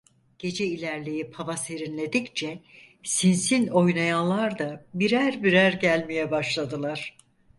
Gece ilerleyip hava serinledikçe Sinsin oynayanlar da birer birer gelmeye başladılar.